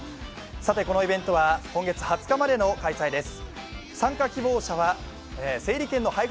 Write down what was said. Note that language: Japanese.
このイベントは今月２０日までの開催です。